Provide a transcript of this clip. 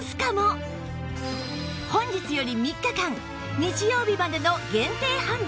本日より３日間日曜日までの限定販売！